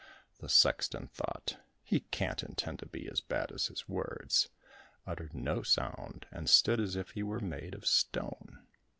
The sexton thought, "he can't intend to be as bad as his words," uttered no sound and stood as if he were made of stone.